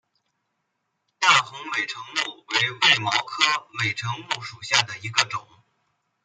淡红美登木为卫矛科美登木属下的一个种。